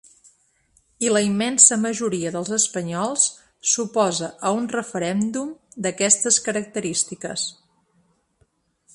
I la immensa majoria dels espanyols s’oposa a un referèndum d’aquestes característiques.